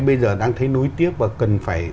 bây giờ đang thấy nối tiếc và cần phải